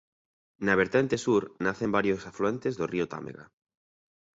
Na vertente sur nacen varios afluentes do río Támega.